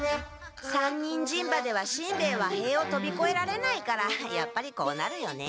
三人人馬ではしんべヱは塀をとびこえられないからやっぱりこうなるよね。